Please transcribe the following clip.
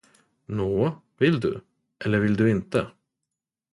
Nå, vill du, eller vill du inte?